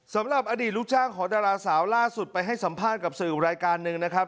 สำหรับอดีตลูกจ้างของดาราสาวล่าสุดไปให้สัมภาษณ์กับสื่อรายการหนึ่งนะครับ